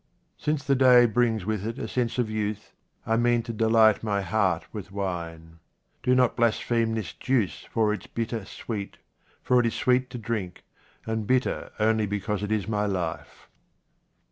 Since the day brings with it a sense of youth, I mean to delight my heart with wine. Do not blaspheme this juice for its bitter sweet, for it is sweet to drink, and bitter only because it is my life.